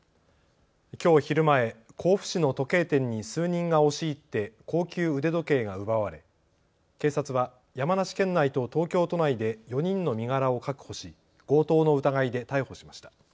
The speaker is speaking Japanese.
きょう昼前、甲府市の時計店に数人が押し入って高級腕時計が奪われ警察は山梨県内と東京都内で４人の身柄を確保し強盗の疑いで逮捕しました。